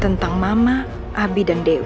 tentang mama abi dan dewa